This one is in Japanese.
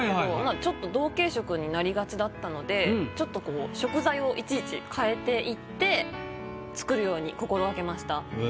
あちょっと同系色になりがちだったので食材をいちいち変えていって作るように心掛けました。